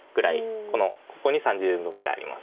ここに３０目ぐらいあります。